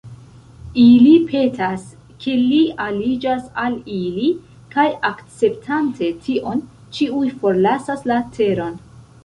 Ili petas ke li aliĝas al ili, kaj akceptante tion, ĉiuj forlasas la teron.